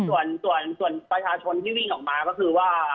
ส่วนส่วนส่วนประชาชนที่วิ่งออกมาก็คือว่า